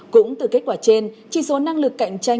cũng từ kết quả trên chỉ số năng lực cạnh tranh